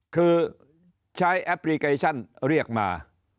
คือใช้แอปพลิเคชันเรียกมา